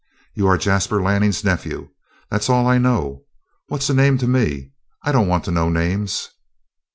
"You are Jasper Lanning's nephew. That's all I know. What's a name to me? I don't want to know names!"